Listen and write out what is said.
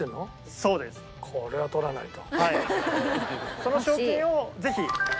その賞金をぜひはい。